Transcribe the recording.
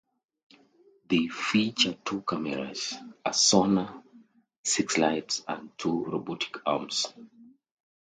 They feature two cameras, a sonar, six lights and two robotic arms.